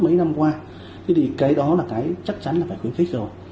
mấy năm qua thế thì cái đó là cái chắc chắn là phải khuyến khích rồi